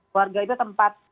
keluarga itu tempat